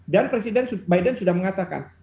dan presiden biden sudah mengatakan